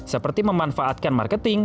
seperti memanfaatkan marketing